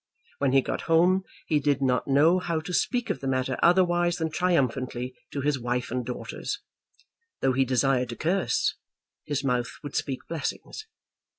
When he got home he did not know how to speak of the matter otherwise than triumphantly to his wife and daughters. Though he desired to curse, his mouth would speak blessings.